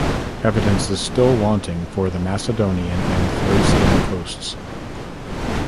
Evidence is still wanting for the Macedonian and Thracian coasts.